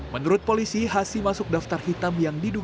menurut polisi hasi masuk daftar hitam yang diduga